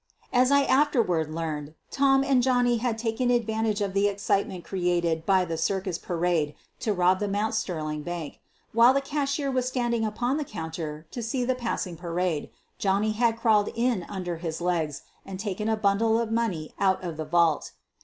As I afterward learned, Tom and Johnny had taken advantage of the excitement created by the circus parade to rob the Mount Sterling Bank. While the cashier was standing upon the counter to see the passing parade, Johnny had crawled in un der his legs and taken a bundle of money out of the vault.